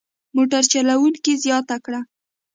موټر چلوونکي زیاته کړه.